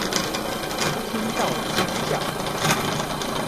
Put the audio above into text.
聽到尖叫